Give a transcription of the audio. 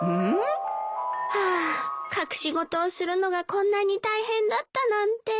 ハァ隠し事をするのがこんなに大変だったなんて。